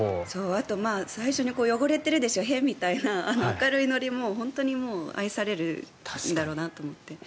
あと、最初に汚れているでしょ、へへみたいな明るいノリも本当に愛されるんだろうなって。